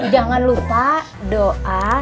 jangan lupa doa